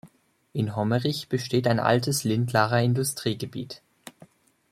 In Hommerich besteht ein altes Lindlarer Industriegebiet.